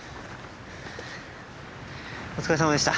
お疲れさまでした。